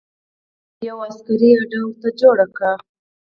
یوه عسکري اډه ورته جوړه کړه.